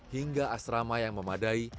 hingga asrama yang memadai